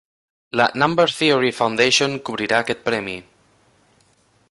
La "Number Theory Foundation" cobrirà aquest premi.